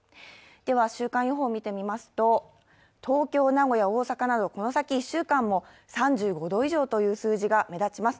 では、週間予報を見てみますと、東京、名古屋、大阪を見てみますと、３５度以上という数字が目立ちます。